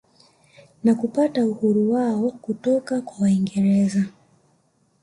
Na kupata uhuru wao kutoka kwa waingereza